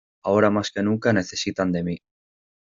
Ahora más que nunca necesitan de mí.